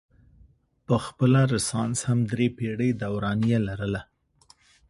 پخپله رنسانس هم درې پیړۍ دورانیه لرله.